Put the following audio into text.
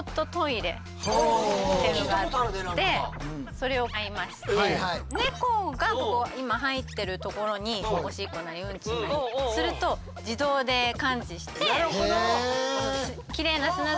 それを買いまして猫が今入ってるところにおしっこなりうんちなりすると自動で感知してキレイな砂だけ残して汚い。